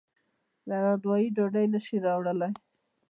له نانوایۍ ډوډۍ نشي راوړلی.